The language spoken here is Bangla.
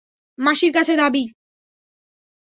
মাসির কাছে যাবি?